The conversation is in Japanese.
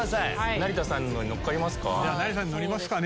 成田さんのに乗りますかね。